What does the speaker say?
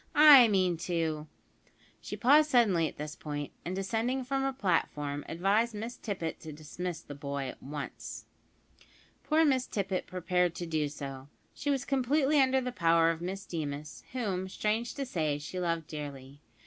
I mean to " She paused suddenly at this point, and, descending from her platform, advised Miss Tippet to dismiss the boy at once. Poor Miss Tippet prepared to do so. She was completely under the power of Miss Deemas, whom, strange to say, she loved dearly.